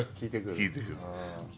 聞いてくる。